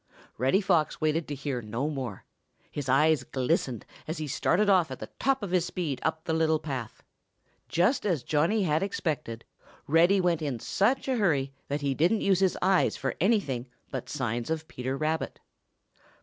Reddy Fox waited to hear no more. His eyes glistened as he started off at the top of his speed up the little path. Just as Johnny had expected, Reddy went in such a hurry that he didn't use his eyes for anything but signs of Peter Rabbit.